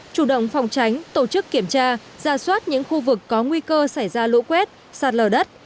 chủ động phòng tránh tổ chức kiểm tra ra soát những khu vực có nguy cơ xảy ra lũ quét sạt lở đất